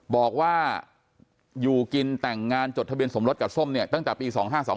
บอกว่าอยู่กินแต่งงานจดทะเบียนสมรสกับส้มเนี่ยตั้งแต่ปี๒๕๒